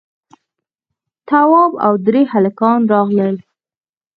تواب او درې هلکان راغلل.